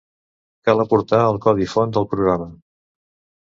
Cal aportar el codi font del programa.